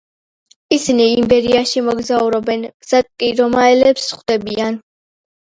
ისინი იბერიაში მოგზაურობენ, გზად კი რომაელებს ხვდებიან.